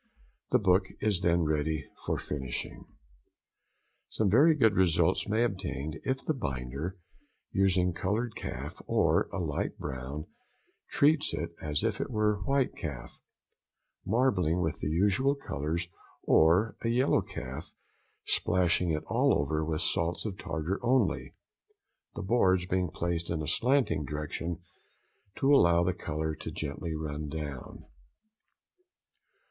The book is then ready for finishing. Some very good results may be obtained if the binder, using coloured calf of a light brown, treats it as if it were white calf, marbling with the usual colours; or a yellow calf, splashing it all over with salts of tartar only, the boards being placed in a slanting direction to allow the colour to gently run down.